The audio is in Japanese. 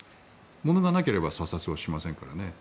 ものがなければ査察はしませんからね。